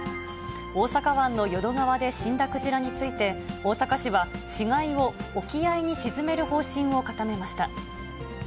大阪湾の淀川で死んだクジラについて、大阪市は、死骸を沖合に沈める方針を固めました。